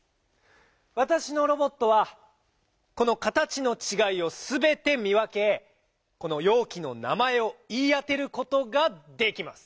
わたしのロボットはこのかたちのちがいをすべて見わけこのようきの名まえをいいあてることができます！